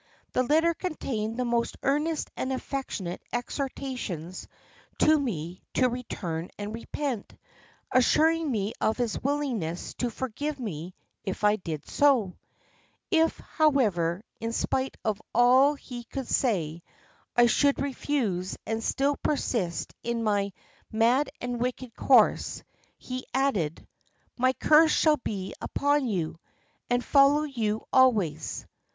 The letter contained the most earnest and affectionate exhortations to me to return and repent, assuring me of his willingness to forgive me if I did so; if, however, in spite of all he could say, I should refuse and still persist in my mad and wicked course, he added, 'My curse shall be upon you, and follow you always.